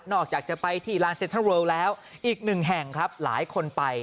นอกจากจะไปที่ลานเซ็ทเทิร์ลแล้วอีกหนึ่งแห่งครับหลายคนไป